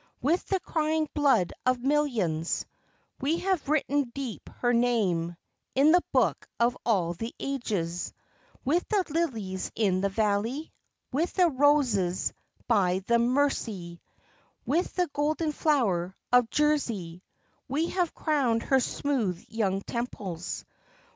With the crying blood of millions We have written deep her name In the Book of all the Ages; With the lilies in the valley, With the roses by the Mersey, With the golden flower of Jersey We have crowned her smooth young temples.